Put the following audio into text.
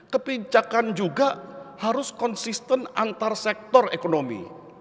kebijakan juga harus konsisten antar sektor ekonomi